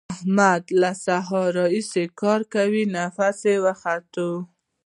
احمد له سهار راهسې کار کوي؛ نفس يې وخوت.